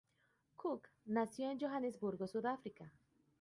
Kook nació en Johannesburgo, Sudáfrica.